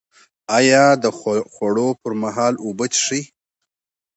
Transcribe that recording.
ایا د خوړو پر مهال اوبه څښئ؟